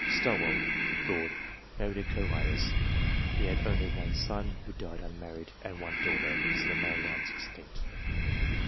Stowell, Lord. Married a co heiress. He had only one son, who died unmarried, and one daughter ; so the male line is extinct.